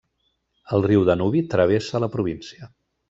El riu Danubi travessa la província.